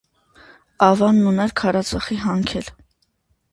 Ավանն ուներ քարածխի հանքեր։